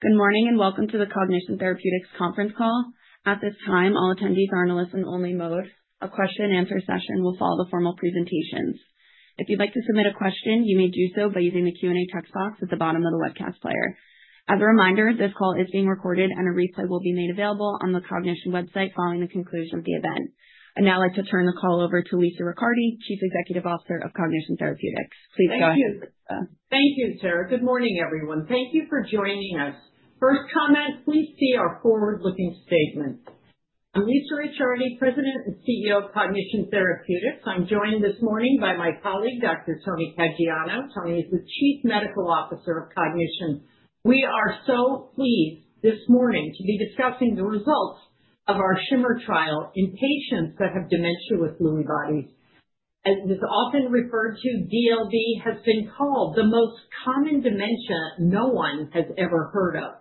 Good morning and welcome to the Cognition Therapeutics Conference Call. At this time, all attendees are in a listen-only mode. A question-and-answer session will follow the formal presentations. If you'd like to submit a question, you may do so by using the Q&A text box at the bottom of the webcast player. As a reminder, this call is being recorded, and a replay will be made available on the Cognition website following the conclusion of the event. I'd now like to turn the call over to Lisa Riccardi, Chief Executive Officer of Cognition Therapeutics. Please join us. Thank you. Thank you, Sarah. Good morning, everyone. Thank you for joining us. First comment, please see our forward-looking statement. I'm Lisa Riccardi, President and CEO of Cognition Therapeutics. I'm joined this morning by my colleague, Dr. Tony Caggiano. Tony is the Chief Medical Officer of Cognition. We are so pleased this morning to be discussing the results of our SHIMMER trial in patients that have dementia with Lewy bodies. It is often referred to as DLB, has been called the most common dementia no one has ever heard of.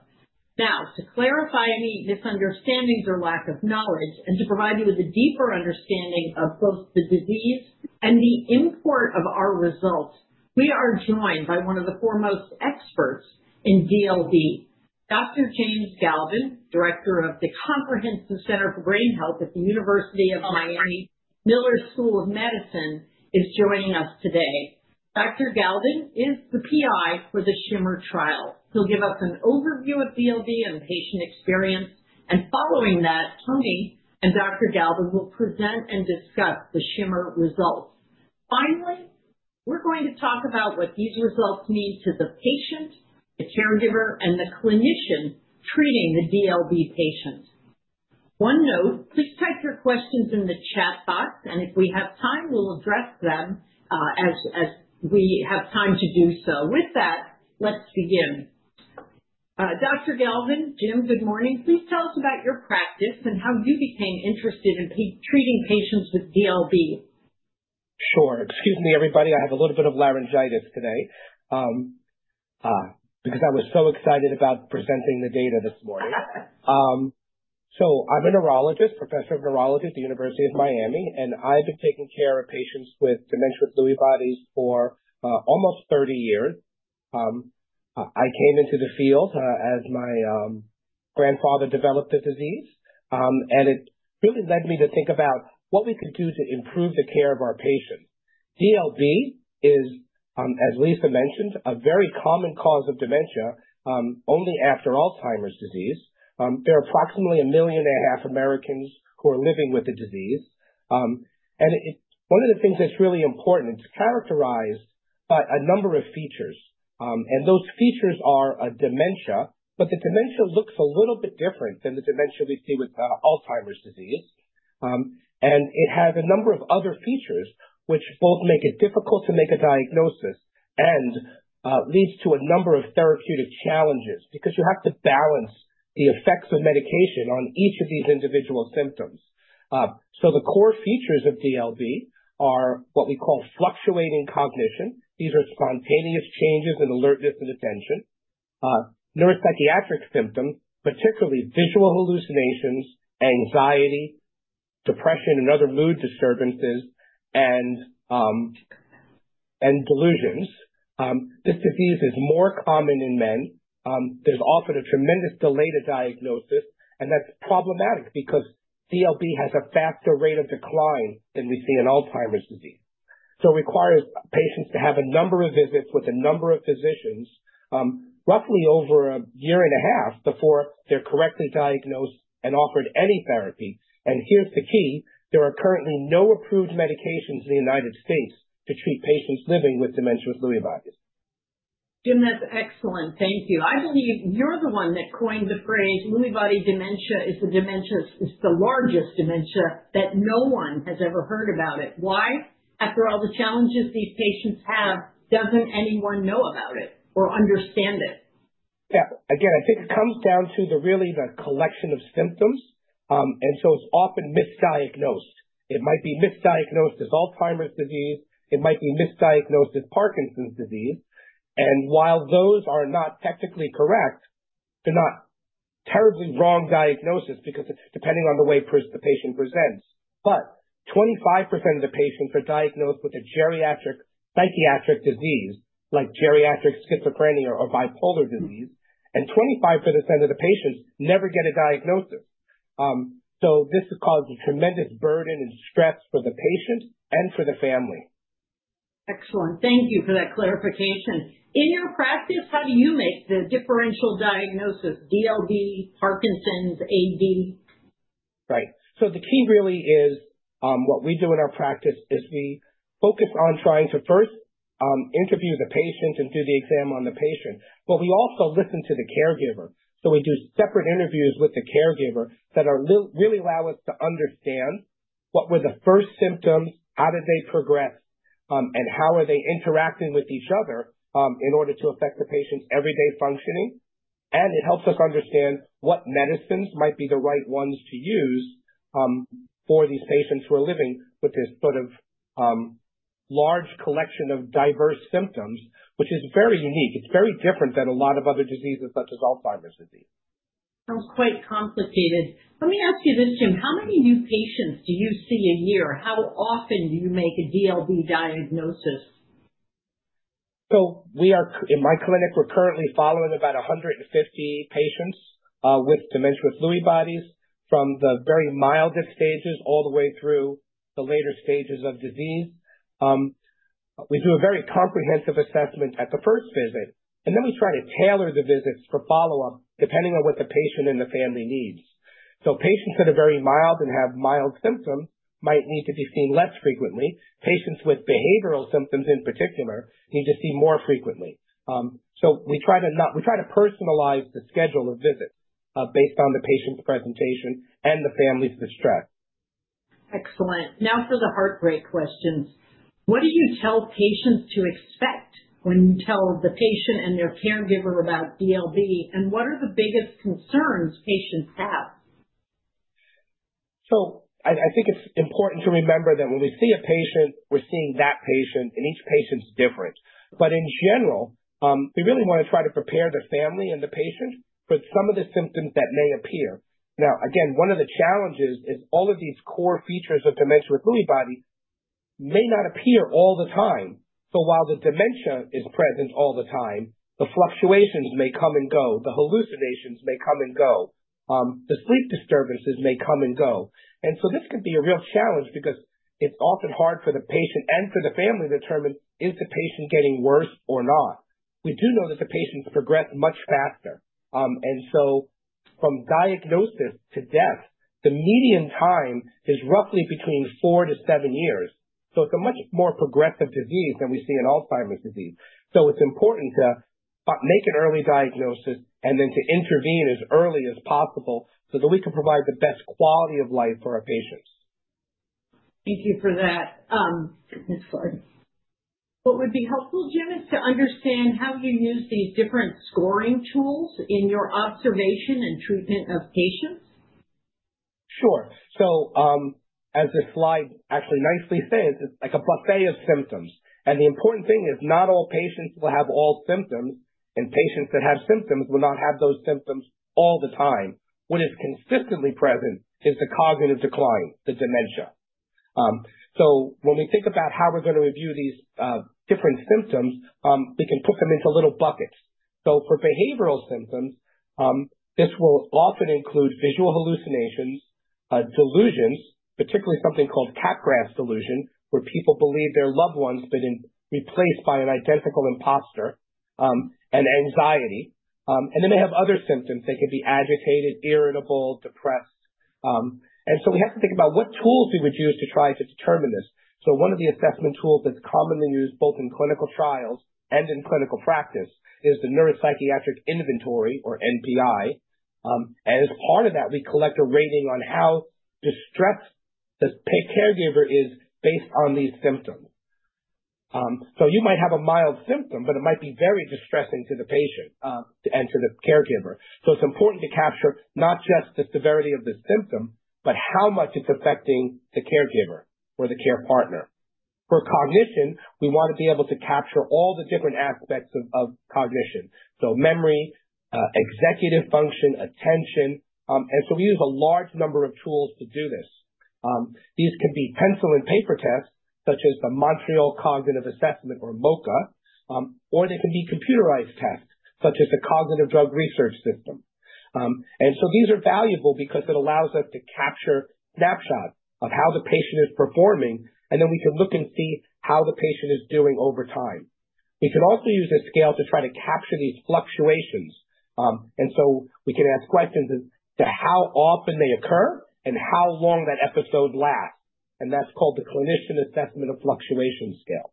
Now, to clarify any misunderstandings or lack of knowledge, and to provide you with a deeper understanding of both the disease and the import of our results, we are joined by one of the foremost experts in DLB, Dr. James Galvin, Director of the Comprehensive Center for Brain Health at the University of Miami Miller School of Medicine, is joining us today. Dr. Galvin is the PI for the SHIMMER trial. He'll give us an overview of DLB and patient experience. And following that, Tony and Dr. Galvin will present and discuss the SHIMMER results. Finally, we're going to talk about what these results mean to the patient, the caregiver, and the clinician treating the DLB patient. One note, please type your questions in the chat box, and if we have time, we'll address them as we have time to do so. With that, let's begin. Dr. Galvin, Jim, good morning. Please tell us about your practice and how you became interested in treating patients with DLB. Sure. Excuse me, everybody. I have a little bit of laryngitis today because I was so excited about presenting the data this morning. So I'm a neurologist, Professor of Neurology at the University of Miami, and I've been taking care of patients with dementia with Lewy bodies for almost 30 years. I came into the field as my grandfather developed the disease, and it really led me to think about what we could do to improve the care of our patients. DLB is, as Lisa mentioned, a very common cause of dementia only after Alzheimer's disease. There are approximately 1.5 million Americans who are living with the disease. And one of the things that's really important, it's characterized by a number of features. And those features are dementia, but the dementia looks a little bit different than the dementia we see with Alzheimer's disease. And it has a number of other features, which both make it difficult to make a diagnosis and leads to a number of therapeutic challenges because you have to balance the effects of medication on each of these individual symptoms. So the core features of DLB are what we call fluctuating cognition. These are spontaneous changes in alertness and attention, neuropsychiatric symptoms, particularly visual hallucinations, anxiety, depression, and other mood disturbances, and delusions. This disease is more common in men. There's often a tremendous delay to diagnosis, and that's problematic because DLB has a faster rate of decline than we see in Alzheimer's disease. So it requires patients to have a number of visits with a number of physicians roughly over a year and a half before they're correctly diagnosed and offered any therapy. Here's the key: there are currently no approved medications in the United States to treat patients living with Dementia with Lewy bodies. Jim, that's excellent. Thank you. I believe you're the one that coined the phrase, "Lewy body dementia is the largest dementia," that no one has ever heard about it. Why? After all the challenges these patients have, doesn't anyone know about it or understand it? Yeah. Again, I think it comes down to really the collection of symptoms. And so it's often misdiagnosed. It might be misdiagnosed as Alzheimer's disease. It might be misdiagnosed as Parkinson's disease. And while those are not technically correct, they're not terribly wrong diagnoses because it's depending on the way the patient presents. But 25% of the patients are diagnosed with a geriatric psychiatric disease, like geriatric schizophrenia or bipolar disease, and 25% of the patients never get a diagnosis. So this has caused a tremendous burden and stress for the patient and for the family. Excellent. Thank you for that clarification. In your practice, how do you make the differential diagnosis: DLB, Parkinson's, AD? Right. So the key really is what we do in our practice is we focus on trying to first interview the patient and do the exam on the patient. But we also listen to the caregiver. So we do separate interviews with the caregiver that really allow us to understand what were the first symptoms, how did they progress, and how are they interacting with each other in order to affect the patient's everyday functioning. And it helps us understand what medicines might be the right ones to use for these patients who are living with this sort of large collection of diverse symptoms, which is very unique. It's very different than a lot of other diseases such as Alzheimer's disease. Sounds quite complicated. Let me ask you this, Jim. How many new patients do you see a year? How often do you make a DLB diagnosis? So in my clinic, we're currently following about 150 patients with Dementia with Lewy bodies from the very mildest stages all the way through the later stages of disease. We do a very comprehensive assessment at the first visit, and then we try to tailor the visits for follow-up depending on what the patient and the family needs. So patients that are very mild and have mild symptoms might need to be seen less frequently. Patients with behavioral symptoms in particular need to see more frequently. So we try to personalize the schedule of visits based on the patient's presentation and the family's distress. Excellent. Now for the heartbreak questions. What do you tell patients to expect when you tell the patient and their caregiver about DLB, and what are the biggest concerns patients have? I think it's important to remember that when we see a patient, we're seeing that patient, and each patient's different. But in general, we really want to try to prepare the family and the patient for some of the symptoms that may appear. Now, again, one of the challenges is all of these core features of Dementia with Lewy bodies may not appear all the time. So while the dementia is present all the time, the fluctuations may come and go. The hallucinations may come and go. The sleep disturbances may come and go. And so this can be a real challenge because it's often hard for the patient and for the family to determine is the patient getting worse or not. We do know that the patients progress much faster. And so from diagnosis to death, the median time is roughly between four to seven years. It's a much more progressive disease than we see in Alzheimer's disease. It's important to make an early diagnosis and then to intervene as early as possible so that we can provide the best quality of life for our patients. Thank you for that. What would be helpful, Jim, is to understand how you use these different scoring tools in your observation and treatment of patients? Sure. So as the slide actually nicely says, it's like a buffet of symptoms, and the important thing is not all patients will have all symptoms, and patients that have symptoms will not have those symptoms all the time. What is consistently present is the cognitive decline, the dementia, so when we think about how we're going to review these different symptoms, we can put them into little buckets, so for behavioral symptoms, this will often include visual hallucinations, delusions, particularly something called Capgras delusion, where people believe their loved ones have been replaced by an identical imposter, and anxiety, and then they have other symptoms. They can be agitated, irritable, depressed, and so we have to think about what tools we would use to try to determine this. One of the assessment tools that's commonly used both in clinical trials and in clinical practice is the Neuropsychiatric Inventory or NPI. As part of that, we collect a rating on how distressed the caregiver is based on these symptoms. You might have a mild symptom, but it might be very distressing to the patient and to the caregiver. It's important to capture not just the severity of the symptom, but how much it's affecting the caregiver or the care partner. For cognition, we want to be able to capture all the different aspects of cognition, so memory, executive function, attention. We use a large number of tools to do this. These can be pencil and paper tests, such as the Montreal Cognitive Assessment or MoCA, or they can be computerized tests, such as the Cognitive Drug Research System. And so these are valuable because it allows us to capture snapshots of how the patient is performing, and then we can look and see how the patient is doing over time. We can also use a scale to try to capture these fluctuations. And so we can ask questions as to how often they occur and how long that episode lasts. And that's called the Clinician Assessment of Fluctuation Scale.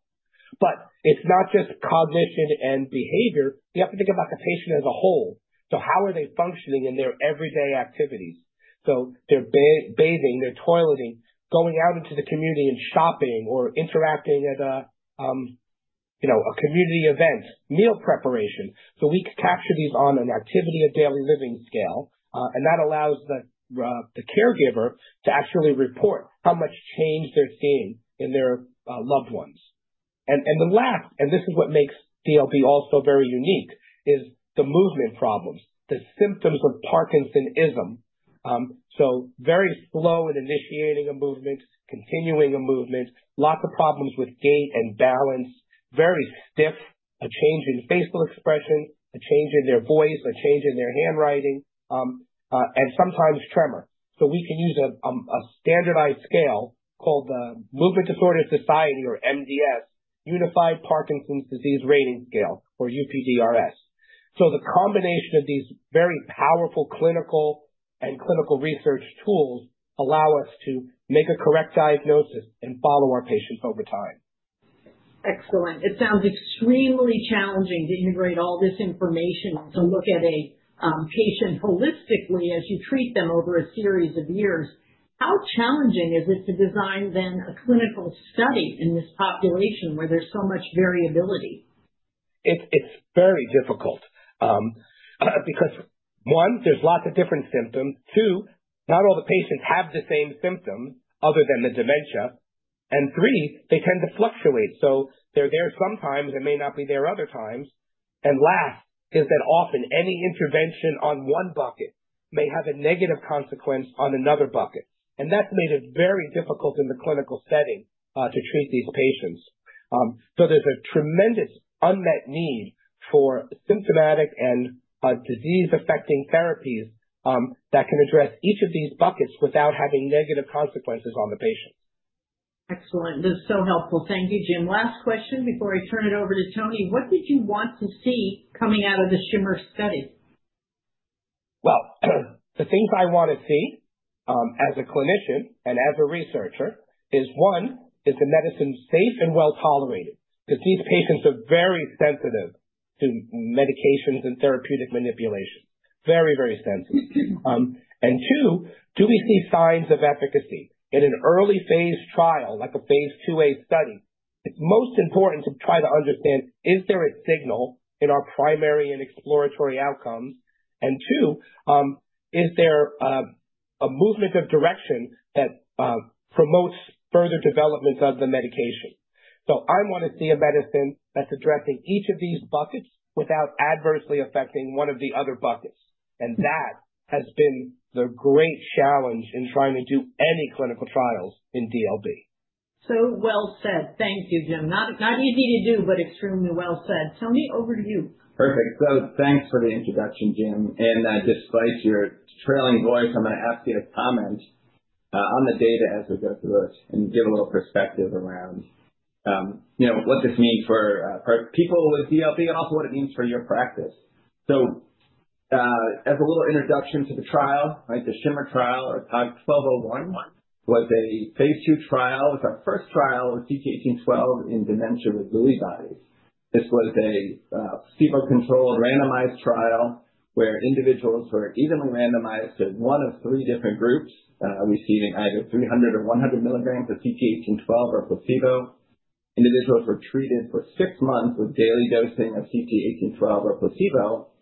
But it's not just cognition and behavior. You have to think about the patient as a whole. So how are they functioning in their everyday activities? So they're bathing, they're toileting, going out into the community and shopping or interacting at a community event, meal preparation. So we capture these on an activity of daily living scale. And that allows the caregiver to actually report how much change they're seeing in their loved ones. And the last, and this is what makes DLB also very unique, is the movement problems, the symptoms of Parkinsonism. So very slow in initiating a movement, continuing a movement, lots of problems with gait and balance, very stiff, a change in facial expression, a change in their voice, a change in their handwriting, and sometimes tremor. So we can use a standardized scale called the Movement Disorders Society or MDS, Unified Parkinson's Disease Rating Scale or UPDRS. So the combination of these very powerful clinical and clinical research tools allows us to make a correct diagnosis and follow our patients over time. Excellent. It sounds extremely challenging to integrate all this information to look at a patient holistically as you treat them over a series of years. How challenging is it to design then a clinical study in this population where there's so much variability? It's very difficult because, one, there's lots of different symptoms, two, not all the patients have the same symptoms other than the dementia, and three, they tend to fluctuate, so they're there sometimes and may not be there other times, and last is that often any intervention on one bucket may have a negative consequence on another bucket, and that's made it very difficult in the clinical setting to treat these patients, so there's a tremendous unmet need for symptomatic and disease-affecting therapies that can address each of these buckets without having negative consequences on the patients. Excellent. That's so helpful. Thank you, Jim. Last question before I turn it over to Tony. What did you want to see coming out of the SHIMMER study? The things I want to see as a clinician and as a researcher is, one, is the medicine safe and well tolerated? Because these patients are very sensitive to medications and therapeutic manipulation. Very, very sensitive. And two, do we see signs of efficacy? In an early phase trial, like a phase IIA study, it's most important to try to understand, is there a signal in our primary and exploratory outcomes? And two, is there a movement of direction that promotes further development of the medication? So I want to see a medicine that's addressing each of these buckets without adversely affecting one of the other buckets. And that has been the great challenge in trying to do any clinical trials in DLB. So well said. Thank you, Jim. Not easy to do, but extremely well said. Tony, over to you. Perfect. So thanks for the introduction, Jim, and despite your trailing voice, I'm going to ask you to comment on the data as we go through it and give a little perspective around what this means for people with DLB and also what it means for your practice, so as a little introduction to the trial, the SHIMMER trial or COG-1201 was a phase II trial. It was our first trial with CT-1812 in dementia with Lewy bodies. This was a placebo-controlled randomized trial where individuals were evenly randomized to one of three different groups receiving either 300 or 100 milligrams of CT-1812 or placebo. Individuals were treated for six months with daily dosing of CT-1812 or placebo,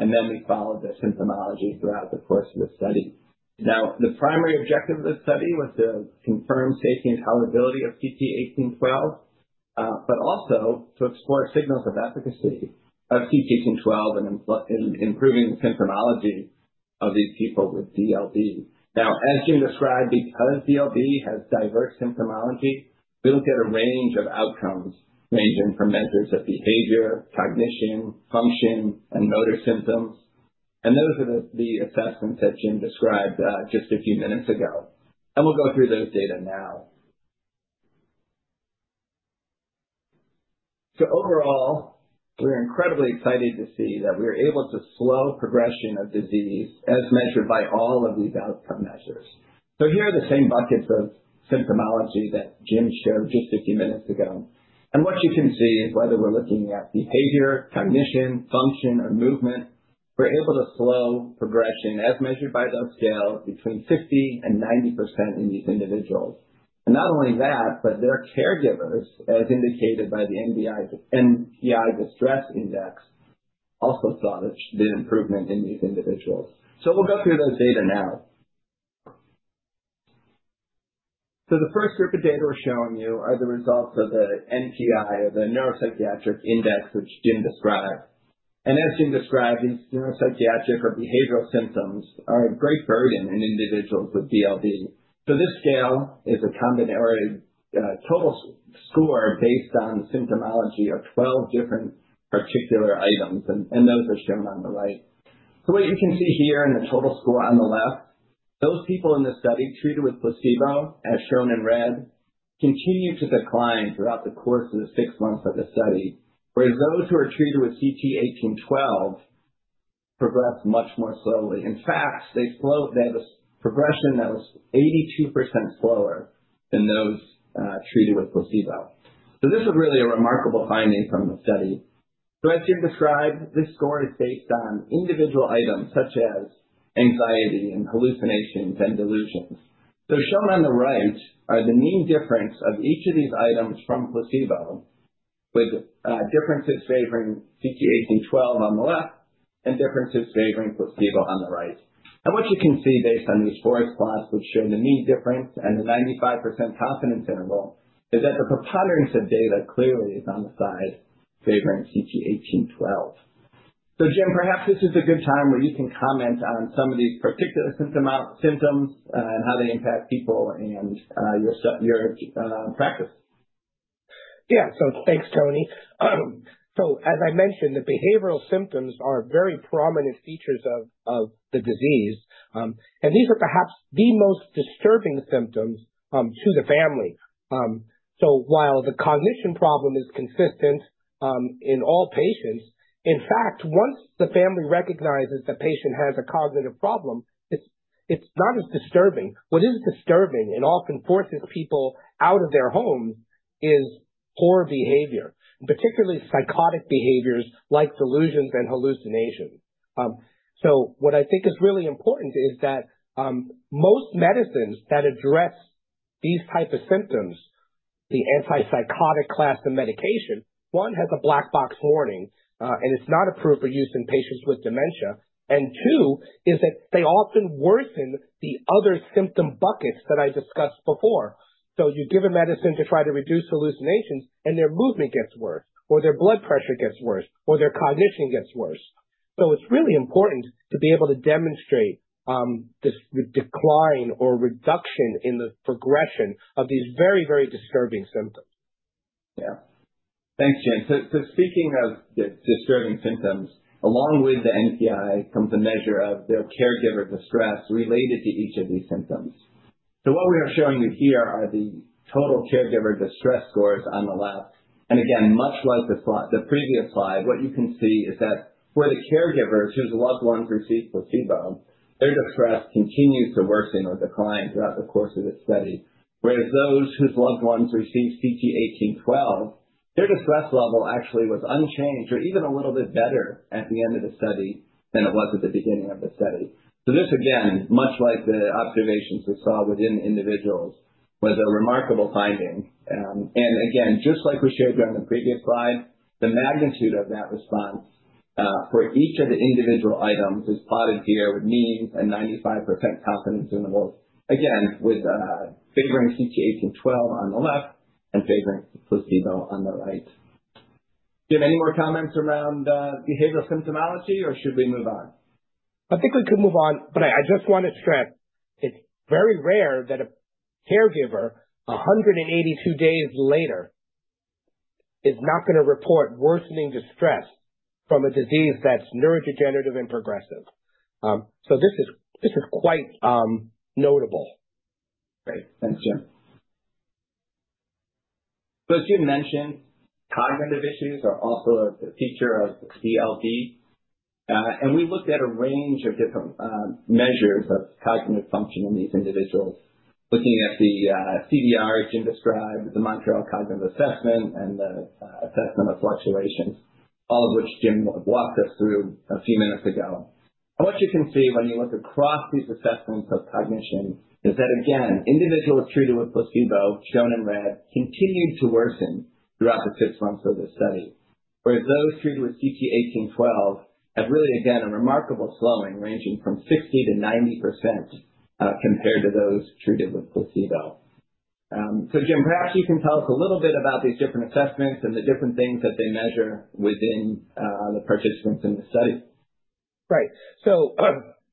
and then we followed the symptomology throughout the course of the study. Now, the primary objective of the study was to confirm safety and tolerability of CT-1812, but also to explore signals of efficacy of CT-1812 in improving the symptomology of these people with DLB. Now, as Jim described, because DLB has diverse symptomology, we look at a range of outcomes ranging from measures of behavior, cognition, function, and motor symptoms. And those are the assessments that Jim described just a few minutes ago. And we'll go through those data now. So overall, we're incredibly excited to see that we're able to slow progression of disease as measured by all of these outcome measures. So here are the same buckets of symptomology that Jim showed just a few minutes ago. What you can see is whether we're looking at behavior, cognition, function, or movement, we're able to slow progression as measured by those scales between 50% and 90% in these individuals. Not only that, but their caregivers, as indicated by the NPI Distress Index, also saw the improvement in these individuals. We'll go through those data now. The first group of data we're showing you are the results of the NPI or the Neuropsychiatric Inventory, which Jim described. As Jim described, these neuropsychiatric or behavioral symptoms are a great burden in individuals with DLB. This scale is a combinatory total score based on the symptomology of 12 different particular items. Those are shown on the right. What you can see here in the total score on the left, those people in the study treated with placebo, as shown in red, continued to decline throughout the course of the six months of the study, whereas those who are treated with CT-1812 progressed much more slowly. In fact, they had a progression that was 82% slower than those treated with placebo. This is really a remarkable finding from the study. As Jim described, this score is based on individual items such as anxiety and hallucinations and delusions. Shown on the right are the mean difference of each of these items from placebo, with differences favoring CT-1812 on the left and differences favoring placebo on the right. And what you can see based on these four slides, which show the mean difference and the 95% confidence interval, is that the preponderance of data clearly is on the side favoring CT-1812. So Jim, perhaps this is a good time where you can comment on some of these particular symptoms and how they impact people and your practice. Yeah. So thanks, Tony. So as I mentioned, the behavioral symptoms are very prominent features of the disease. And these are perhaps the most disturbing symptoms to the family. So while the cognition problem is consistent in all patients, in fact, once the family recognizes the patient has a cognitive problem, it's not as disturbing. What is disturbing and often forces people out of their homes is poor behavior, particularly psychotic behaviors like delusions and hallucinations. So what I think is really important is that most medicines that address these types of symptoms, the antipsychotic class of medication, one, has a black box warning, and it's not approved for use in patients with dementia. And two, is that they often worsen the other symptom buckets that I discussed before. So you give a medicine to try to reduce hallucinations, and their movement gets worse, or their blood pressure gets worse, or their cognition gets worse. So it's really important to be able to demonstrate this decline or reduction in the progression of these very, very disturbing symptoms. Yeah. Thanks, Jim. So speaking of disturbing symptoms, along with the NPI comes a measure of their caregiver distress related to each of these symptoms. So what we are showing you here are the total caregiver distress scores on the left. And again, much like the previous slide, what you can see is that for the caregivers whose loved ones receive placebo, their distress continues to worsen or decline throughout the course of the study. Whereas those whose loved ones receive CT-1812, their distress level actually was unchanged or even a little bit better at the end of the study than it was at the beginning of the study. So this, again, much like the observations we saw within individuals, was a remarkable finding. And again, just like we showed you on the previous slide, the magnitude of that response for each of the individual items is plotted here with means and 95% confidence intervals. Again, with favoring CT-1812 on the left and favoring placebo on the right. Do you have any more comments around behavioral symptomology, or should we move on? I think we could move on, but I just want to stress it's very rare that a caregiver 182 days later is not going to report worsening distress from a disease that's neurodegenerative and progressive. So this is quite notable. Great. Thanks, Jim. So as Jim mentioned, cognitive issues are also a feature of DLB. And we looked at a range of different measures of cognitive function in these individuals, looking at the CDR as Jim described, the Montreal Cognitive Assessment, and the assessment of fluctuations, all of which Jim walked us through a few minutes ago. And what you can see when you look across these assessments of cognition is that, again, individuals treated with placebo, shown in red, continued to worsen throughout the six months of the study, whereas those treated with CT-1812 have really, again, a remarkable slowing ranging from 60%-90% compared to those treated with placebo. So Jim, perhaps you can tell us a little bit about these different assessments and the different things that they measure within the participants in the study. Right. So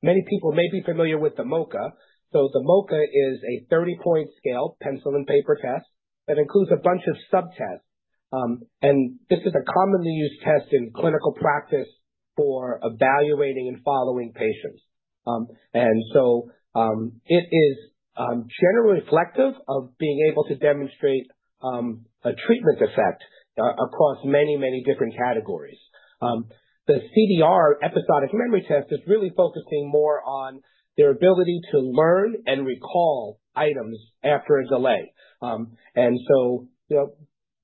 many people may be familiar with the MoCA. So the MoCA is a 30-point scale, pencil and paper test that includes a bunch of sub-tests. And this is a commonly used test in clinical practice for evaluating and following patients. And so it is generally reflective of being able to demonstrate a treatment effect across many, many different categories. The CDR, episodic memory test, is really focusing more on their ability to learn and recall items after a delay. And so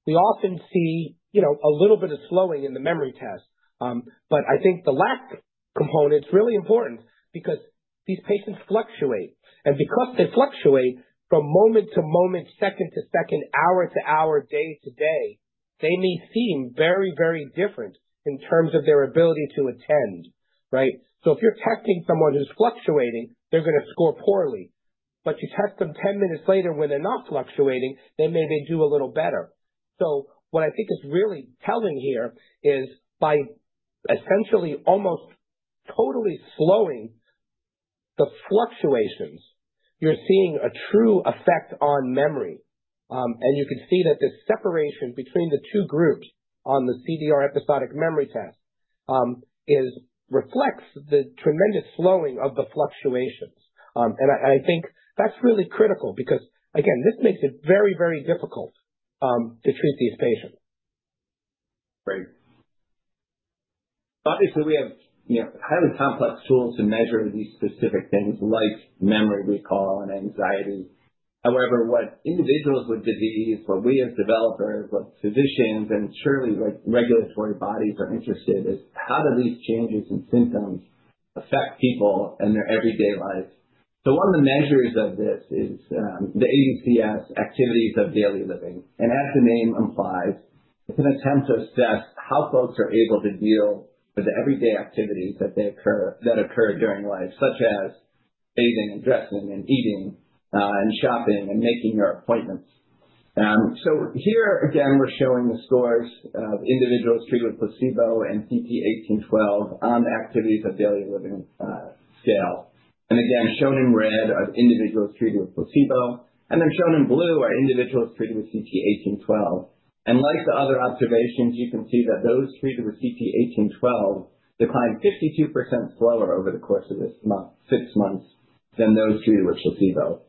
we often see a little bit of slowing in the memory test. But I think the last component is really important because these patients fluctuate. And because they fluctuate from moment to moment, second to second, hour to hour, day to day, they may seem very, very different in terms of their ability to attend. Right? So if you're testing someone who's fluctuating, they're going to score poorly. But you test them 10 minutes later when they're not fluctuating, they maybe do a little better. So what I think is really telling here is by essentially almost totally slowing the fluctuations, you're seeing a true effect on memory. And you can see that the separation between the two groups on the CDR episodic memory test reflects the tremendous slowing of the fluctuations. And I think that's really critical because, again, this makes it very, very difficult to treat these patients. Great. Obviously, we have highly complex tools to measure these specific things like memory recall and anxiety. However, what individuals with disease, what we as developers, what physicians, and surely regulatory bodies are interested in is how do these changes in symptoms affect people in their everyday life? So one of the measures of this is the ADCS, Activities of Daily Living. And as the name implies, it's an attempt to assess how folks are able to deal with the everyday activities that occur during life, such as bathing and dressing and eating and shopping and making your appointments. So here, again, we're showing the scores of individuals treated with placebo and CT-1812 on the Activities of Daily Living scale. And again, shown in red are individuals treated with placebo. And then shown in blue are individuals treated with CT-1812. Like the other observations, you can see that those treated with CT-1812 declined 52% slower over the course of six months than those treated with placebo.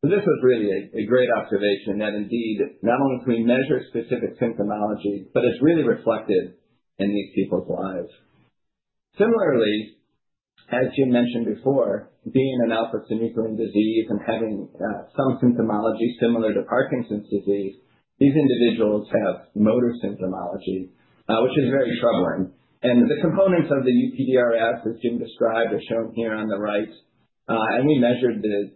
So this was really a great observation that indeed, not only can we measure specific symptomology, but it's really reflected in these people's lives. Similarly, as Jim mentioned before, being in Alzheimer's disease and having some symptomology similar to Parkinson's disease, these individuals have motor symptomology, which is very troubling. The components of the UPDRS, as Jim described, are shown here on the right. We measured this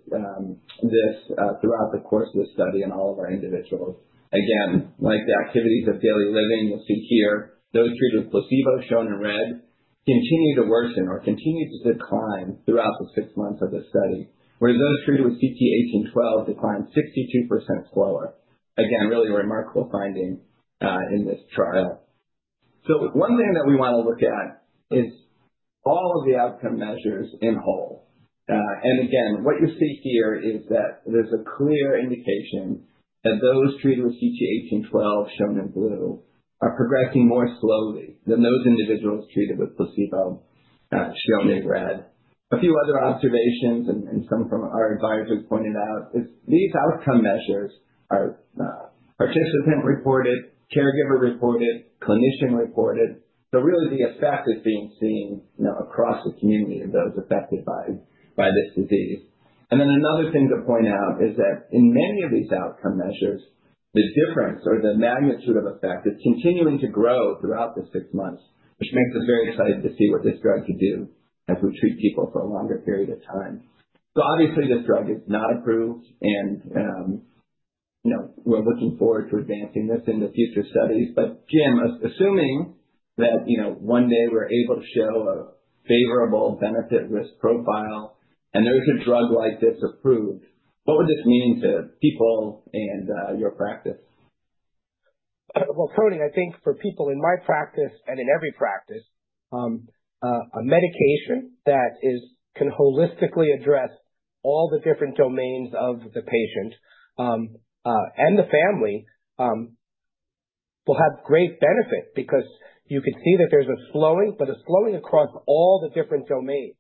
throughout the course of the study in all of our individuals. Again, like the Activities of Daily Living, you'll see here, those treated with placebo, shown in red, continue to worsen or continue to decline throughout the six months of the study, whereas those treated with CT-1812 declined 62% slower. Again, really remarkable finding in this trial. So one thing that we want to look at is all of the outcome measures in whole. And again, what you see here is that there's a clear indication that those treated with CT-1812, shown in blue, are progressing more slowly than those individuals treated with placebo, shown in red. A few other observations, and some from our advisors pointed out, is these outcome measures are participant-reported, caregiver-reported, clinician-reported. So really, the effect is being seen across the community of those affected by this disease. And then another thing to point out is that in many of these outcome measures, the difference or the magnitude of effect is continuing to grow throughout the six months, which makes us very excited to see what this drug could do as we treat people for a longer period of time. So obviously, this drug is not approved, and we're looking forward to advancing this in the future studies. But Jim, assuming that one day we're able to show a favorable benefit-risk profile and there's a drug like this approved, what would this mean to people and your practice? Tony, I think for people in my practice and in every practice, a medication that can holistically address all the different domains of the patient and the family will have great benefit because you can see that there's a slowing, but a slowing across all the different domains.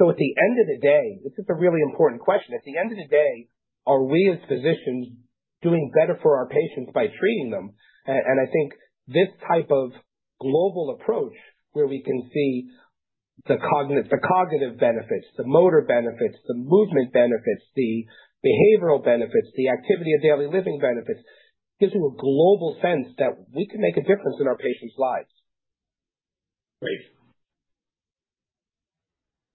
At the end of the day, this is a really important question. At the end of the day, are we as physicians doing better for our patients by treating them? I think this type of global approach where we can see the cognitive benefits, the motor benefits, the movement benefits, the behavioral benefits, the activity of daily living benefits gives you a global sense that we can make a difference in our patients' lives. Great.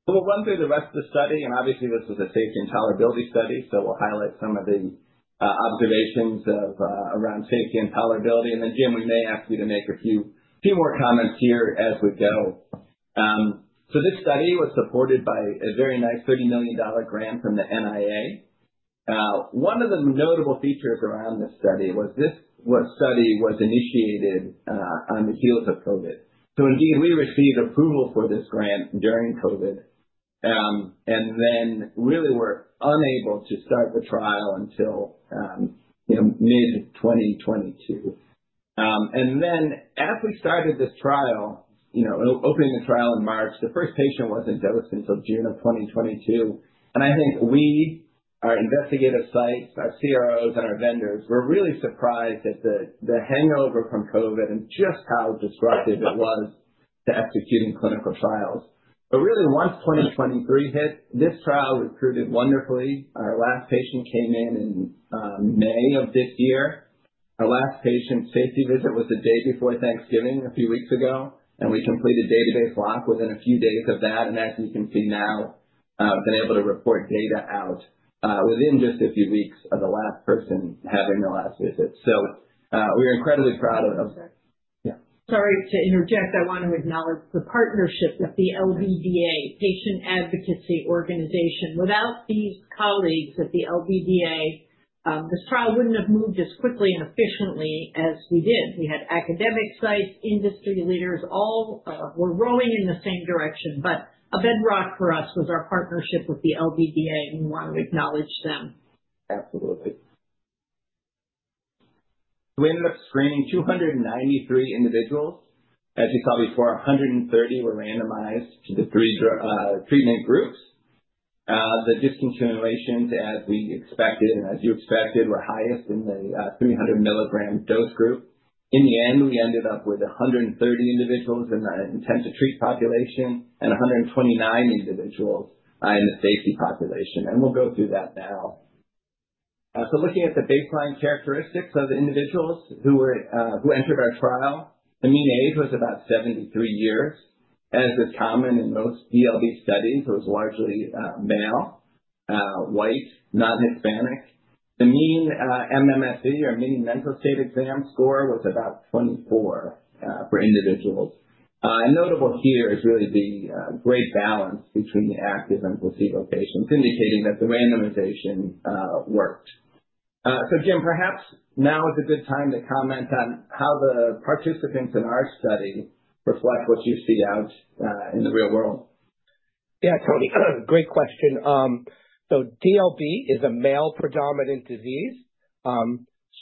So we'll run through the rest of the study. And obviously, this is a safety and tolerability study, so we'll highlight some of the observations around safety and tolerability. And then Jim, we may ask you to make a few more comments here as we go. So this study was supported by a very nice $30 million grant from the NIA. One of the notable features around this study was this study was initiated on the heels of COVID. So indeed, we received approval for this grant during COVID and then really were unable to start the trial until mid-2022. And then as we started this trial, opening the trial in March, the first patient wasn't dosed until June of 2022. I think we, our investigative sites, our CROs, and our vendors were really surprised at the hangover from COVID and just how disruptive it was to executing clinical trials. But really, once 2023 hit, this trial recruited wonderfully. Our last patient came in in May of this year. Our last patient's safety visit was the day before Thanksgiving, a few weeks ago. And we completed database lock within a few days of that. And as you can see now, we've been able to report data out within just a few weeks of the last person having the last visit. So we are incredibly proud of. Sorry to interject. I want to acknowledge the partnership with the LBDA, patient advocacy organization. Without these colleagues at the LBDA, this trial wouldn't have moved as quickly and efficiently as we did. We had academic sites, industry leaders. All were rowing in the same direction. But a bedrock for us was our partnership with the LBDA, and we want to acknowledge them. Absolutely. We ended up screening 293 individuals. As you saw before, 130 were randomized to the three treatment groups. The discontinuations, as we expected and as you expected, were highest in the 300-milligram dose group. In the end, we ended up with 130 individuals in the intent-to-treat population and 129 individuals in the safety population, and we'll go through that now, so looking at the baseline characteristics of the individuals who entered our trial, the mean age was about 73 years, as is common in most DLB studies. It was largely male, white, non-Hispanic. The mean MMSE, or Mini-Mental State Exam score, was about 24 for individuals. And notable here is really the great balance between the active and placebo patients, indicating that the randomization worked. So Jim, perhaps now is a good time to comment on how the participants in our study reflect what you see out in the real world. Yeah, Tony. Great question. So DLB is a male-predominant disease.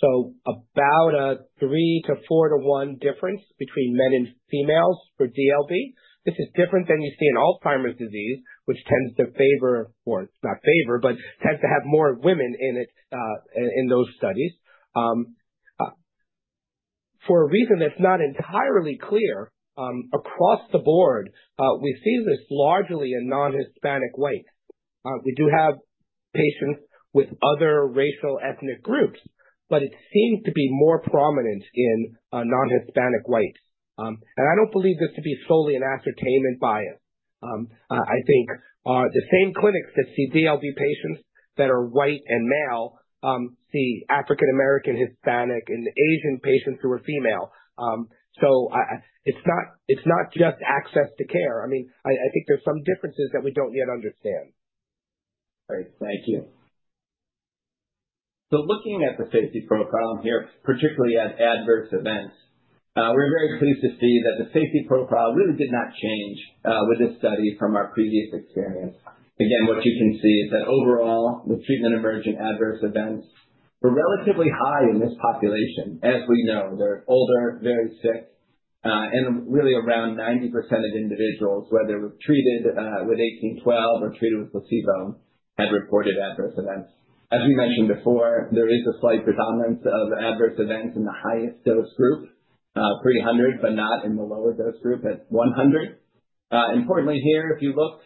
So about a three to four to one difference between men and females for DLB. This is different than you see in Alzheimer's disease, which tends to favor or not favor, but tends to have more women in those studies. For a reason that's not entirely clear, across the board, we see this largely in non-Hispanic whites. We do have patients with other racial ethnic groups, but it seems to be more prominent in non-Hispanic whites. And I don't believe this to be solely an ascertainment bias. I think the same clinics that see DLB patients that are white and male see African-American, Hispanic, and Asian patients who are female. So it's not just access to care. I mean, I think there's some differences that we don't yet understand. Great. Thank you. So looking at the safety profile here, particularly at adverse events, we're very pleased to see that the safety profile really did not change with this study from our previous experience. Again, what you can see is that overall, the treatment emergent adverse events were relatively high in this population, as we know. They're older, very sick. And really, around 90% of individuals, whether treated with CT-1812 or treated with placebo, had reported adverse events. As we mentioned before, there is a slight predominance of adverse events in the highest dose group, 300, but not in the lower dose group at 100. Importantly here, if you look,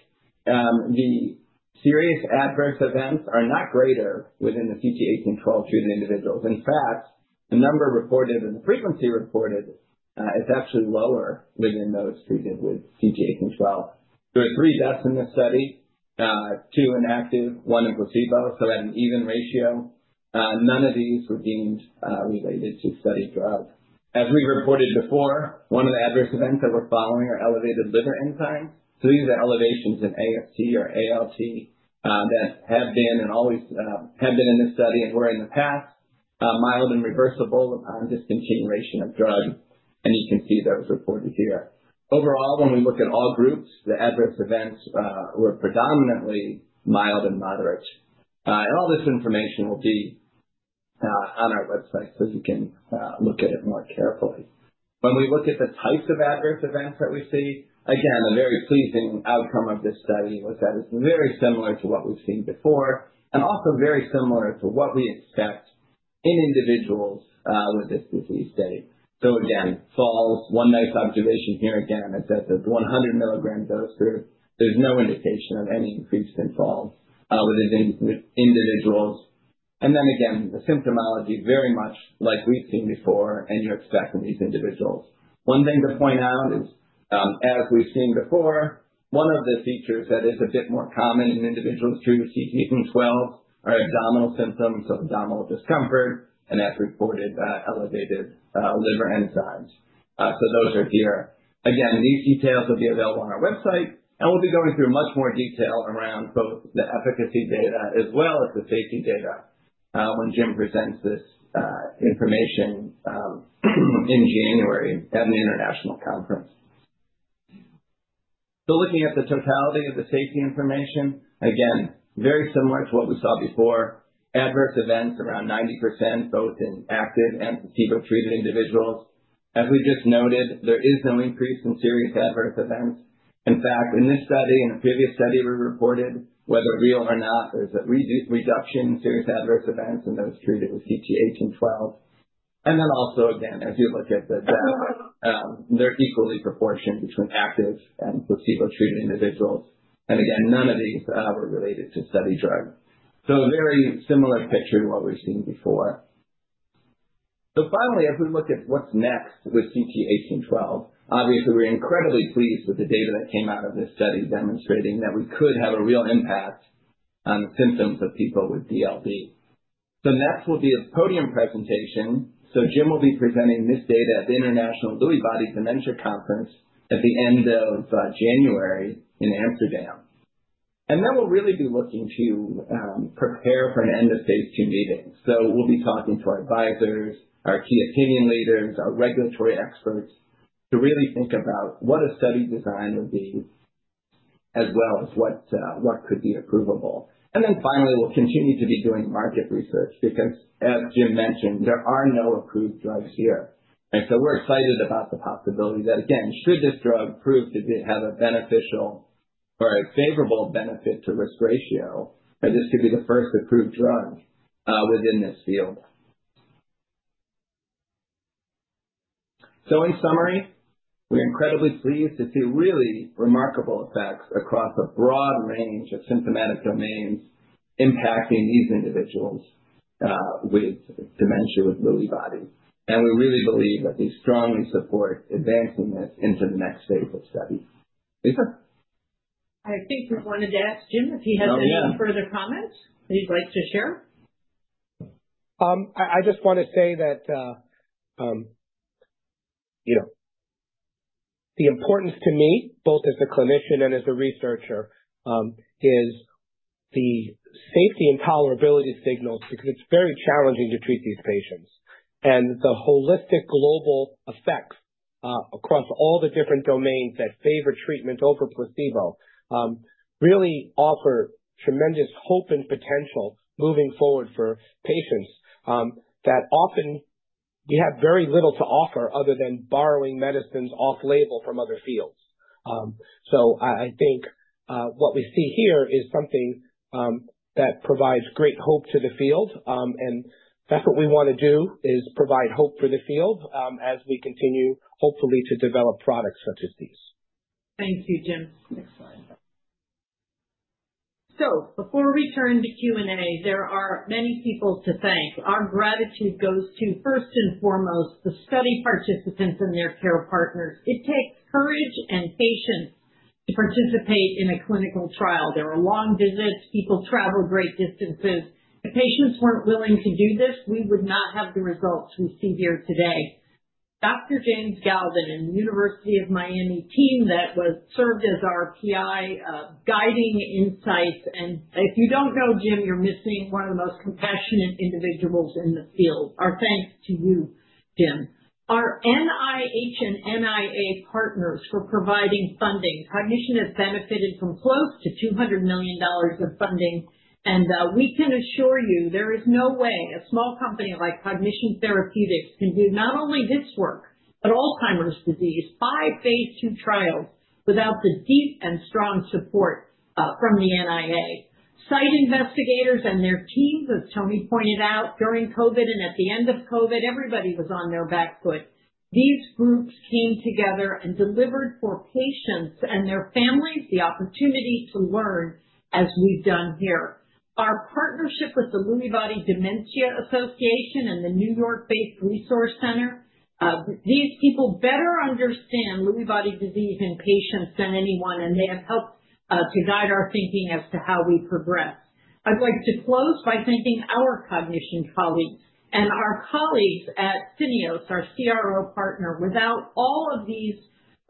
the serious adverse events are not greater within the CT-1812 treated individuals. In fact, the number reported and the frequency reported is actually lower within those treated with CT-1812. There were three deaths in this study, two in active, one in placebo, so at an even ratio. None of these were deemed related to studied drugs. As we reported before, one of the adverse events that we're following are elevated liver enzymes, so these are elevations in AST or ALT that have been and always have been in this study and were in the past, mild and reversible on discontinuation of drugs, and you can see those reported here. Overall, when we look at all groups, the adverse events were predominantly mild and moderate, and all this information will be on our website so you can look at it more carefully. When we look at the types of adverse events that we see, again, a very pleasing outcome of this study was that it's very similar to what we've seen before and also very similar to what we expect in individuals with this disease state. So again, falls, one nice observation here again, is that the 100-milligram dose group, there's no indication of any increase in falls within individuals. And then again, the symptomology is very much like we've seen before, and you're expecting these individuals. One thing to point out is, as we've seen before, one of the features that is a bit more common in individuals treated with CT-1812 are abdominal symptoms of abdominal discomfort and, as reported, elevated liver enzymes. So those are here. Again, these details will be available on our website. We'll be going through much more detail around both the efficacy data as well as the safety data when Jim presents this information in January at an international conference. Looking at the totality of the safety information, again, very similar to what we saw before, adverse events around 90%, both in active and placebo-treated individuals. As we just noted, there is no increase in serious adverse events. In fact, in this study and the previous study we reported, whether real or not, there's a reduction in serious adverse events in those treated with CT-1812. Then also, again, as you look at the data, they're equally proportioned between active and placebo-treated individuals. Again, none of these were related to studied drugs. So a very similar picture to what we've seen before. So finally, as we look at what's next with CT-1812, obviously, we're incredibly pleased with the data that came out of this study demonstrating that we could have a real impact on the symptoms of people with DLB. Next will be a podium presentation. Jim will be presenting this data at the International Lewy Body Dementia Conference at the end of January in Amsterdam. Then we'll really be looking to prepare for an end-of-phase II meeting. We'll be talking to our advisors, our key opinion leaders, our regulatory experts to really think about what a study design would be, as well as what could be approvable. Then finally, we'll continue to be doing market research because, as Jim mentioned, there are no approved drugs here. And so we're excited about the possibility that, again, should this drug prove to have a beneficial or a favorable benefit-to-risk ratio, this could be the first approved drug within this field. So in summary, we're incredibly pleased to see really remarkable effects across a broad range of symptomatic domains impacting these individuals with dementia with Lewy bodies. And we really believe that we strongly support advancing this into the next phase of study. Lisa. I think we wanted to ask Jim if he has any further comments that he'd like to share. I just want to say that the importance to me, both as a clinician and as a researcher, is the safety and tolerability signals because it's very challenging to treat these patients, and the holistic global effects across all the different domains that favor treatment over placebo really offer tremendous hope and potential moving forward for patients that often we have very little to offer other than borrowing medicines off-label from other fields, so I think what we see here is something that provides great hope to the field, and that's what we want to do, is provide hope for the field as we continue, hopefully, to develop products such as these. Thank you, Jim. Next slide so before we turn to Q&A, there are many people to thank. Our gratitude goes to, first and foremost, the study participants and their care partners. It takes courage and patience to participate in a clinical trial. There were long visits. People traveled great distances. If patients weren't willing to do this, we would not have the results we see here today. Dr. James Galvin in the University of Miami team that served as our PI, guiding insights and if you don't know Jim, you're missing one of the most compassionate individuals in the field. Our thanks to you, Jim. Our NIH and NIA partners for providing funding. Cognition has benefited from close to $200 million of funding. And we can assure you there is no way a small company like Cognition Therapeutics can do not only this work, but Alzheimer's disease, five phase II trials without the deep and strong support from the NIA. Site investigators and their teams, as Tony pointed out, during COVID and at the end of COVID, everybody was on their back foot. These groups came together and delivered for patients and their families the opportunity to learn as we've done here. Our partnership with the Lewy Body Dementia Association and the New York-based Resource Center, these people better understand Lewy Body disease in patients than anyone. And they have helped to guide our thinking as to how we progress. I'd like to close by thanking our Cognition colleagues. Our colleagues at Syneos, our CRO partner, without all of these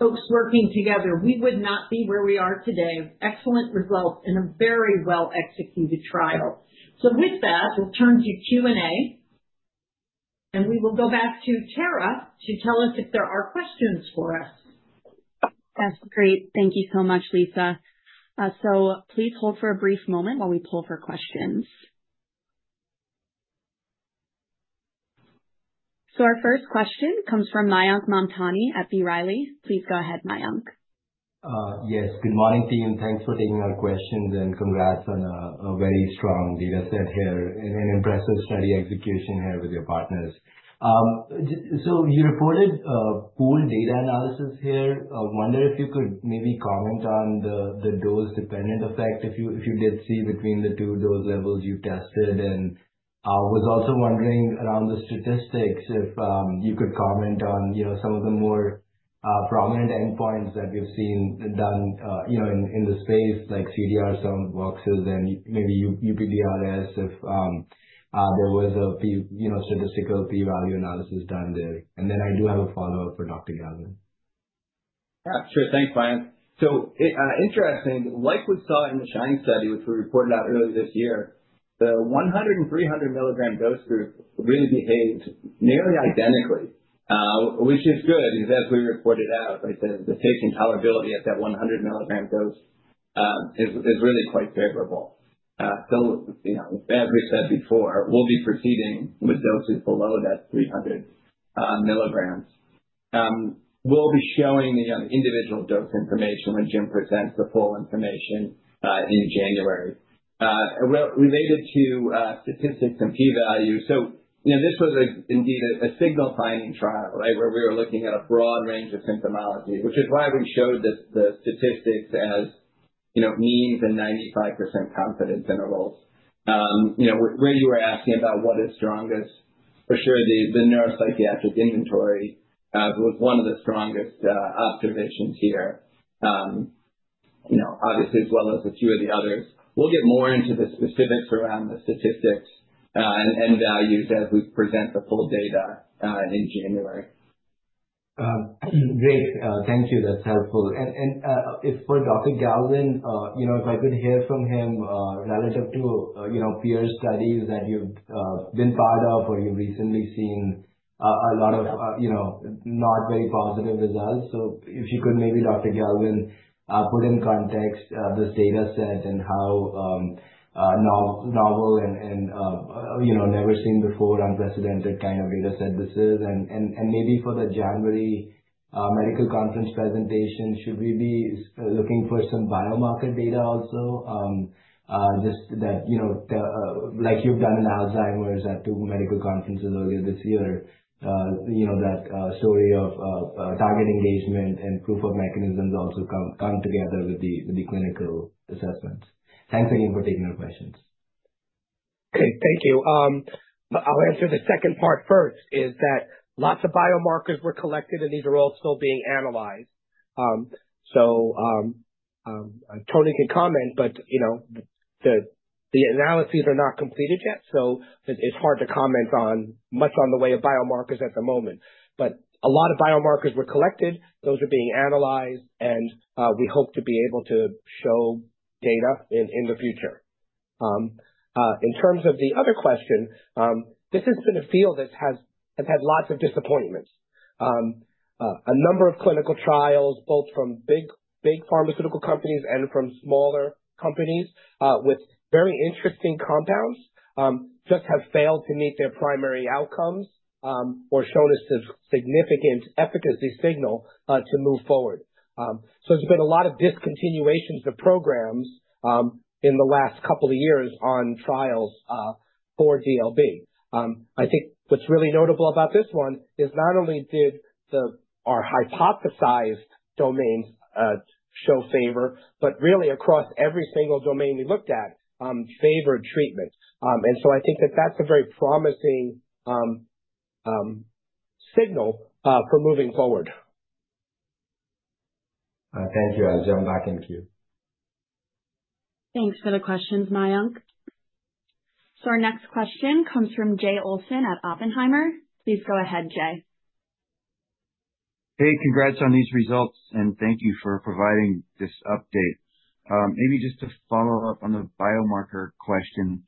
folks working together, we would not be where we are today of excellent results in a very well-executed trial. With that, we'll turn to Q&A. We will go back to Sarah to tell us if there are questions for us. That's great. Thank you so much, Lisa. So please hold for a brief moment while we pull for questions. So our first question comes from Mayank Mamtani at B. Riley. Please go ahead, Mayank. Yes. Good morning, team. Thanks for taking our questions. And congrats on a very strong data set here and impressive study execution here with your partners. So you reported pooled data analysis here. I wonder if you could maybe comment on the dose-dependent effect if you did see between the two dose levels you tested. And I was also wondering around the statistics if you could comment on some of the more prominent endpoints that we've seen done in the space, like CDR, MoCA's, and maybe UPDRS, if there was a statistical P-value analysis done there. And then I do have a follow-up for Dr. Galvin. Yeah. Sure. Thanks, Mayank. So interesting, like we saw in the SHINE study, which we reported out earlier this year, the 100- and 300-milligram dose group really behaved nearly identically, which is good as we reported out. The safety and tolerability at that 100-milligram dose is really quite favorable. So as we said before, we'll be proceeding with doses below that 300 milligrams. We'll be showing the individual dose information when Jim presents the full information in January. Related to statistics and P-value, so this was indeed a signal-finding trial, right, where we were looking at a broad range of symptomology, which is why we showed the statistics as means and 95% confidence intervals. Where you were asking about what is strongest, for sure, the Neuropsychiatric Inventory was one of the strongest observations here, obviously, as well as a few of the others. We'll get more into the specifics around the statistics and values as we present the full data in January. Great. Thank you. That's helpful. And for Dr. Galvin, if I could hear from him relative to peer studies that you've been part of or you've recently seen a lot of not very positive results. So if you could maybe, Dr. Galvin, put in context this data set and how novel and never-seen-before, unprecedented kind of data set this is. And maybe for the January medical conference presentation, should we be looking for some biomarker data also, just that, like you've done in Alzheimer's, at two medical conferences earlier this year, that story of target engagement and proof of mechanisms also come together with the clinical assessments? Thanks again for taking our questions. Okay. Thank you. I'll answer the second part first, is that lots of biomarkers were collected, and these are all still being analyzed. So Tony can comment, but the analyses are not completed yet. So it's hard to comment much on the way of biomarkers at the moment. But a lot of biomarkers were collected. Those are being analyzed. And we hope to be able to show data in the future. In terms of the other question, this has been a field that has had lots of disappointments. A number of clinical trials, both from big pharmaceutical companies and from smaller companies with very interesting compounds, just have failed to meet their primary outcomes or shown a significant efficacy signal to move forward. So there's been a lot of discontinuations of programs in the last couple of years on trials for DLB. I think what's really notable about this one is not only did our hypothesized domains show favor, but really, across every single domain we looked at, favored treatment, and so I think that that's a very promising signal for moving forward. Thank you. I'll jump back in to you. Thanks for the questions, Mayank, so our next question comes from Jay Olson at Oppenheimer. Please go ahead, Jay. Hey, congrats on these results. And thank you for providing this update. Maybe just to follow up on the biomarker question,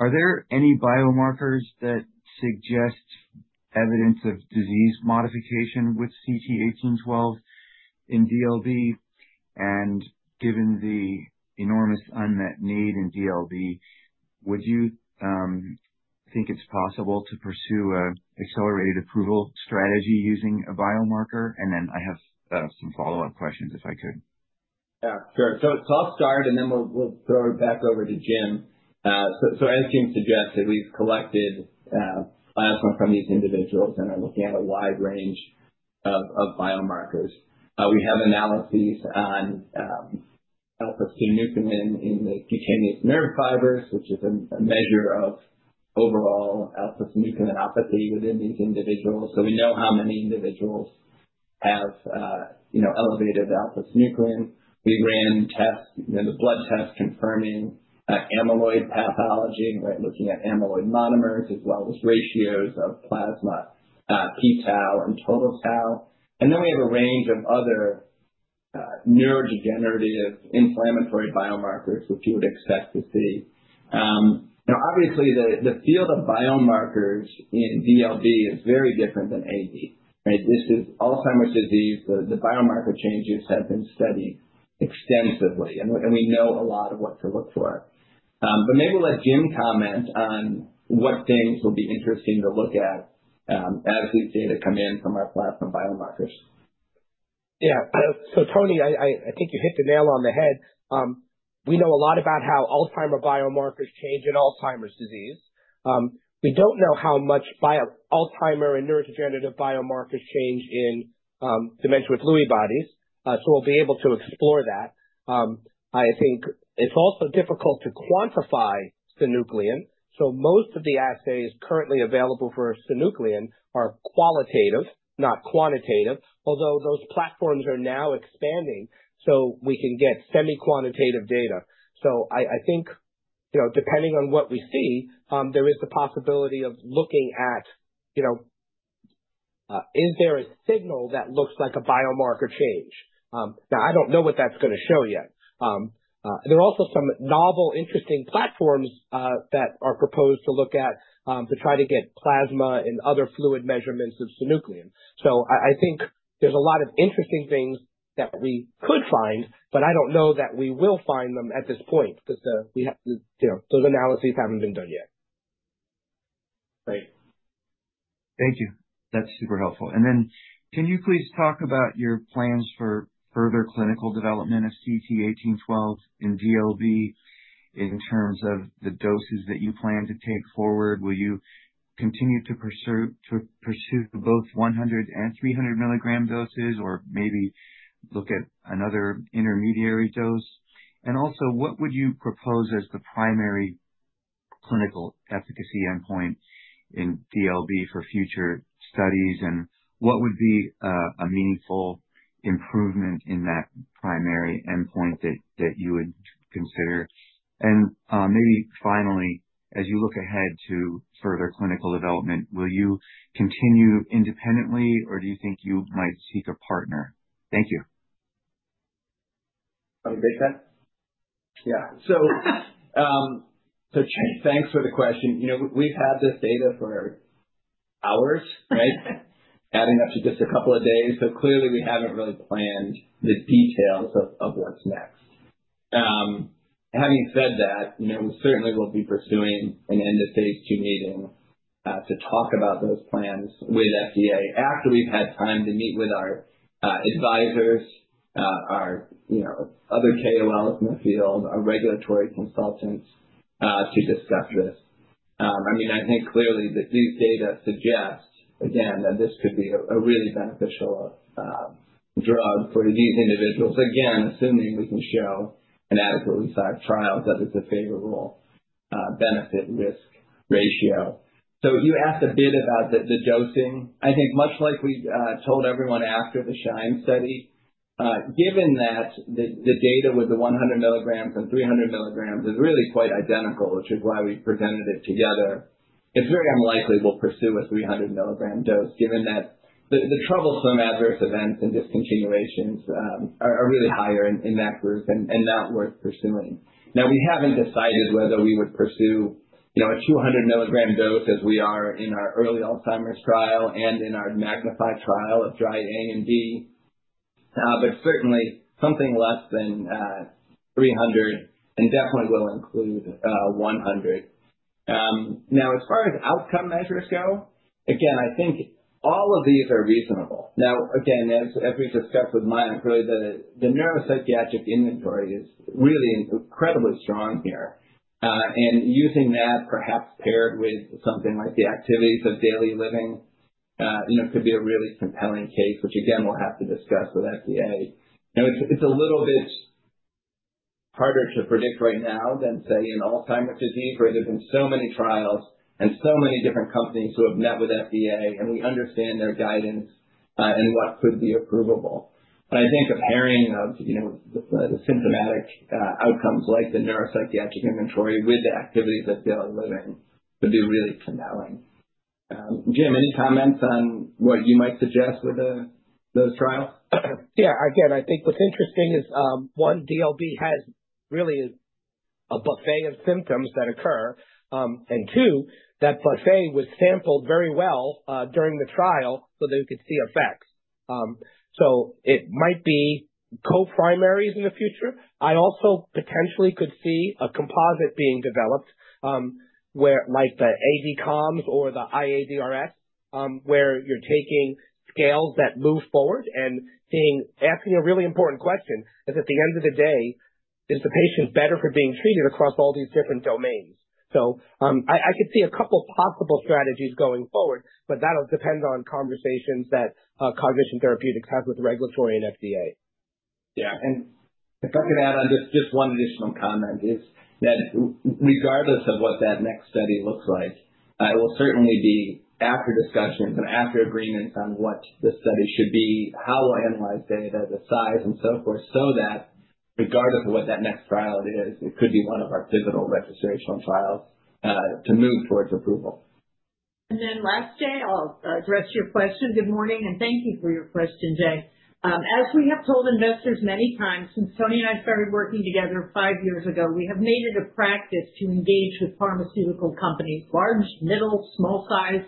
are there any biomarkers that suggest evidence of disease modification with CT-1812 in DLB? And given the enormous unmet need in DLB, would you think it's possible to pursue an accelerated approval strategy using a biomarker? And then I have some follow-up questions, if I could? Yeah. Sure. So I'll start, and then we'll throw it back over to Jim. So as Jim suggested, we've collected plasma from these individuals and are looking at a wide range of biomarkers. We have analyses on alpha-synuclein in the cutaneous nerve fibers, which is a measure of overall alpha-synucleinopathy within these individuals. So we know how many individuals have elevated alpha-synuclein. We ran tests, the blood tests confirming amyloid pathology, right, looking at amyloid monomers as well as ratios of plasma P-tau and total tau. And then we have a range of other neurodegenerative inflammatory biomarkers, which you would expect to see. Now, obviously, the field of biomarkers in DLB is very different than AD, right? This is Alzheimer's disease. The biomarker changes have been studied extensively. And we know a lot of what to look for. But maybe we'll let Jim comment on what things will be interesting to look at as these data come in from our plasma biomarkers. Yeah. So Tony, I think you hit the nail on the head. We know a lot about how Alzheimer biomarkers change in Alzheimer's disease. We don't know how much Alzheimer and neurodegenerative biomarkers change in dementia with Lewy bodies. So we'll be able to explore that. I think it's also difficult to quantify synuclein. So most of the assays currently available for synuclein are qualitative, not quantitative, although those platforms are now expanding so we can get semi-quantitative data. So I think depending on what we see, there is the possibility of looking at, is there a signal that looks like a biomarker change? Now, I don't know what that's going to show yet. There are also some novel, interesting platforms that are proposed to look at to try to get plasma and other fluid measurements of synuclein. So I think there's a lot of interesting things that we could find, but I don't know that we will find them at this point because those analyses haven't been done yet. Great. Thank you. That's super helpful. And then can you please talk about your plans for further clinical development of CT-1812 in DLB in terms of the doses that you plan to take forward? Will you continue to pursue both 100 and 300-milligram doses or maybe look at another intermediary dose? And also, what would you propose as the primary clinical efficacy endpoint in DLB for future studies? And what would be a meaningful improvement in that primary endpoint that you would consider? And maybe finally, as you look ahead to further clinical development, will you continue independently, or do you think you might seek a partner? Thank you. I'll take that. Yeah. So thanks for the question. We've had this data for hours, right, adding up to just a couple of days. So clearly, we haven't really planned the details of what's next. Having said that, we certainly will be pursuing an end-of-phase II meeting to talk about those plans with FDA after we've had time to meet with our advisors, our other KOLs in the field, our regulatory consultants to discuss this. I mean, I think clearly that these data suggest, again, that this could be a really beneficial drug for these individuals, again, assuming we can show an adequately sized trial that is a favorable benefit-risk ratio. So you asked a bit about the dosing. I think much like we told everyone after the SHINE study, given that the data with the 100 milligrams and 300 milligrams is really quite identical, which is why we presented it together, it's very unlikely we'll pursue a 300-milligram dose given that the troublesome adverse events and discontinuations are really higher in that group and not worth pursuing. Now, we haven't decided whether we would pursue a 200-milligram dose as we are in our early Alzheimer's trial and in our MAGNIFY trial of dry AMD, but certainly something less than 300 and definitely will include 100. Now, as far as outcome measures go, again, I think all of these are reasonable. Now, again, as we discussed with Mayank, really the Neuropsychiatric Inventory is really incredibly strong here. And using that, perhaps paired with something like the Activities of Daily Living, could be a really compelling case, which again, we'll have to discuss with FDA. Now, it's a little bit harder to predict right now than, say, in Alzheimer's disease, right? There have been so many trials and so many different companies who have met with FDA, and we understand their guidance and what could be approvable. But I think a pairing of the symptomatic outcomes like the Neuropsychiatric Inventory with the Activities of Daily Living could be really compelling. Jim, any comments on what you might suggest with those trials? Yeah. Again, I think what's interesting is, one, DLB has really a buffet of symptoms that occur. And two, that buffet was sampled very well during the trial so that we could see effects. So it might be co-primary in the future. I also potentially could see a composite being developed like the ADCOMS or the IADRS, where you're taking scales that move forward. And asking a really important question is, at the end of the day, is the patient better for being treated across all these different domains? So I could see a couple of possible strategies going forward, but that'll depend on conversations that Cognition Therapeutics has with regulatory and FDA. Yeah, and if I can add on just one additional comment, is that regardless of what that next study looks like, it will certainly be after discussions and after agreements on what the study should be, how we'll analyze data, the size, and so forth, so that regardless of what that next trial is, it could be one of our pivotal registrational trials to move towards approval. And then last, Jay, I'll address your question. Good morning. And thank you for your question, Jay. As we have told investors many times, since Tony and I started working together five years ago, we have made it a practice to engage with pharmaceutical companies, large, middle, small size,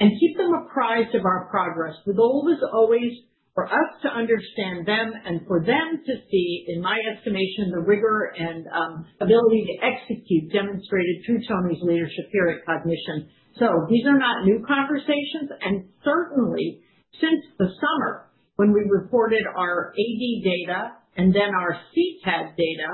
and keep them apprised of our progress. The goal was always for us to understand them and for them to see, in my estimation, the rigor and ability to execute demonstrated through Tony's leadership here at Cognition. So these are not new conversations. And certainly, since the summer when we reported our AD data and then our CTAD data,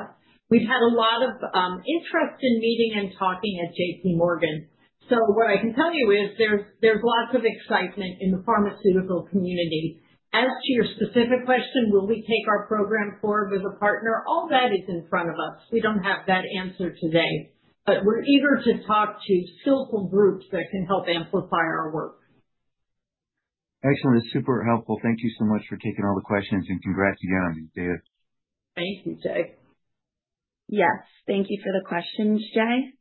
we've had a lot of interest in meeting and talking at JPMorgan. So what I can tell you is there's lots of excitement in the pharmaceutical community. As to your specific question, will we take our program forward with a partner? All that is in front of us. We don't have that answer today, but we're eager to talk to skillful groups that can help amplify our work. Excellent. It's super helpful. Thank you so much for taking all the questions. And congrats again on these data. Thank you, Jay. Yes. Thank you for the questions, Jay.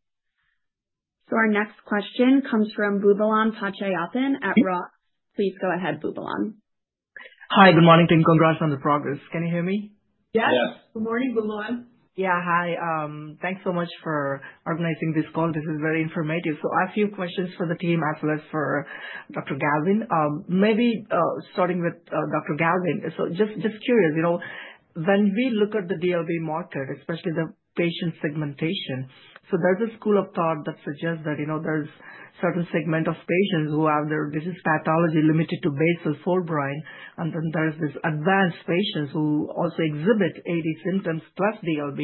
So our next question comes from Boobalan Pachaiyappan at H.C. Wainwright & Co. Please go ahead, Boobalan. Hi. Good morning, team. Congrats on the progress. Can you hear me? Yes. Yes. Good morning, Boobalan. Yeah. Hi. Thanks so much for organizing this call. This is very informative. So I have a few questions for the team as well as for Dr. Galvin. Maybe starting with Dr. Galvin. So just curious, when we look at the DLB market, especially the patient segmentation, so there's a school of thought that suggests that there's a certain segment of patients who have their disease pathology limited to basal forebrain. And then there's these advanced patients who also exhibit AD symptoms plus DLB.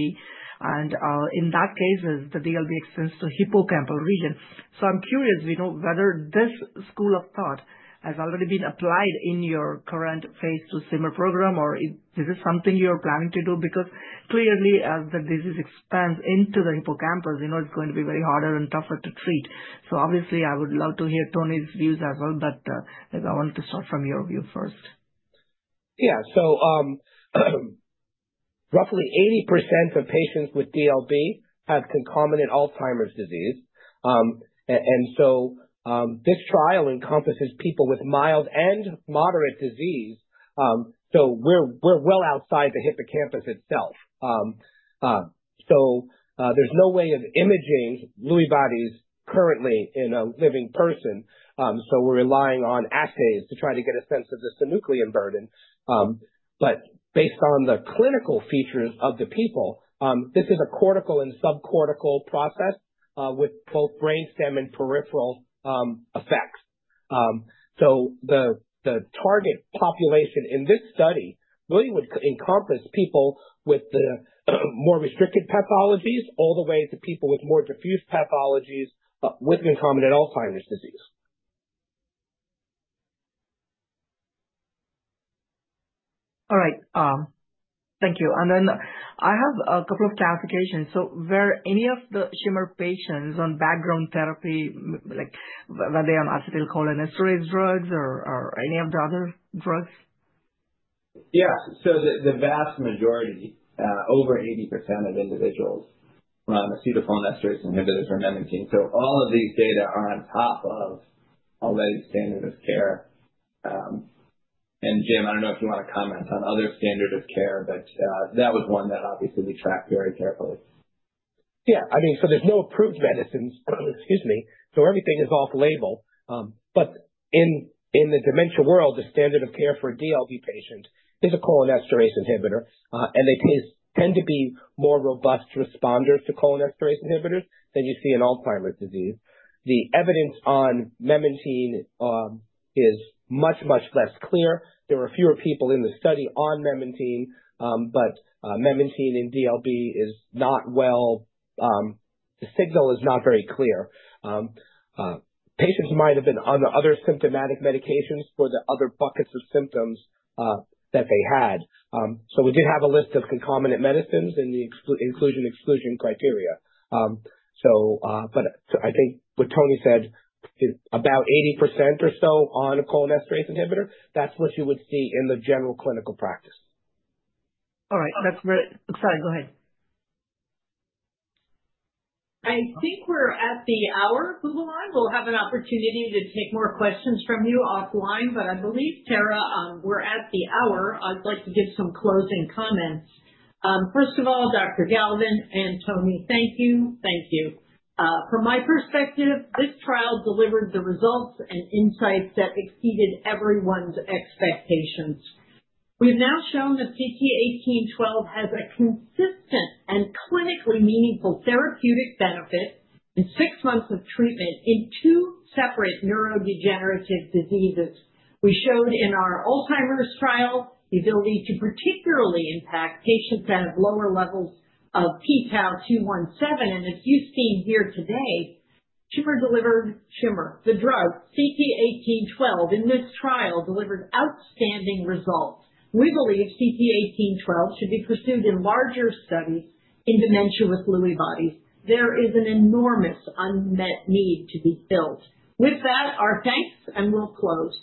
And in that case, the DLB extends to the hippocampal region. So I'm curious whether this school of thought has already been applied in your current phase II SHIMMER program, or this is something you're planning to do? Because clearly, as the disease expands into the hippocampus, it's going to be very harder and tougher to treat. So obviously, I would love to hear Tony's views as well. But I wanted to start from your view first. Yeah. So roughly 80% of patients with DLB have concomitant Alzheimer's disease. And so this trial encompasses people with mild and moderate disease. So we're well outside the hippocampus itself. So there's no way of imaging Lewy bodies currently in a living person. So we're relying on assays to try to get a sense of the synuclein burden. But based on the clinical features of the people, this is a cortical and subcortical process with both brainstem and peripheral effects. So the target population in this study really would encompass people with the more restricted pathologies all the way to people with more diffuse pathologies with concomitant Alzheimer's disease. All right. Thank you. And then I have a couple of clarifications. So were any of the SHIMMER patients on background therapy, like were they on acetylcholinesterase drugs or any of the other drugs? Yes. So the vast majority, over 80% of individuals were on acetylcholinesterase inhibitors or memantine. So all of these data are on top of already standard of care. And Jim, I don't know if you want to comment on other standard of care, but that was one that obviously we tracked very carefully. Yeah. I mean, so there's no approved medicines, excuse me. So everything is off-label. But in the dementia world, the standard of care for a DLB patient is a cholinesterase inhibitor. And they tend to be more robust responders to cholinesterase inhibitors than you see in Alzheimer's disease. The evidence on memantine is much, much less clear. There were fewer people in the study on memantine, but memantine and DLB is not well. The signal is not very clear. Patients might have been on the other symptomatic medications for the other buckets of symptoms that they had. So we did have a list of concomitant medicines in the inclusion-exclusion criteria. But I think what Tony said, about 80% or so on a cholinesterase inhibitor, that's what you would see in the general clinical practice. All right. Sorry. Go ahead. I think we're at the hour, Boobalan. We'll have an opportunity to take more questions from you offline. But I believe, Tara, we're at the hour. I'd like to give some closing comments. First of all, Dr. Galvin and Tony, thank you. Thank you. From my perspective, this trial delivered the results and insights that exceeded everyone's expectations. We've now shown that CT-1812 has a consistent and clinically meaningful therapeutic benefit in six months of treatment in two separate neurodegenerative diseases. We showed in our Alzheimer's trial the ability to particularly impact patients that have lower levels of p-tau217. And as you've seen here today, SHIMMER-delivered SHIMMER, the drug CT-1812 in this trial delivered outstanding results. We believe CT-1812 should be pursued in larger studies in dementia with Lewy bodies. There is an enormous unmet need to be filled. With that, our thanks, and we'll close.